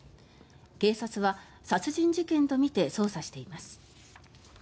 警察は殺人事件とみて捜査しています。